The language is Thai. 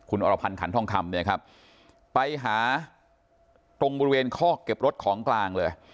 คุณอรพันธ์ขันทองคำเนี่ยครับไปหาตรงบริเวณคอกเก็บรถของกลางเลย